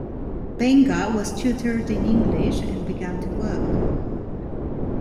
Benga was tutored in English and began to work.